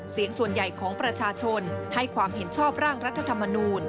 เสียงส่วนใหญ่ของประชาชนให้ความเห็นชอบร่างรัฐธรรมนูล